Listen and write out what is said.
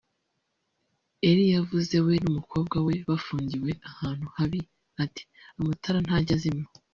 Ellie yavuze we n’ umukobwa we bafungiwe ahantu habi ati " Amatara ntajya azimywa